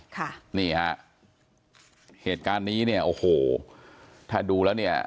ค่ะนี่ฮะเหตุการณ์นี้เนี่ยโอ้โหถ้าดูแล้วเนี่ย